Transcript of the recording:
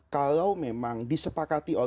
kalau memang disepakati oleh